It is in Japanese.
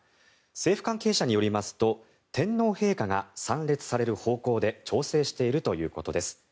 政府関係者によりますと天皇陛下が参列される方向で調整しているということです。